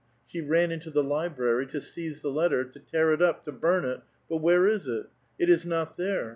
She ran into the library* to seize the letter, to tear it up, to burn it, — but where is it? It is not there!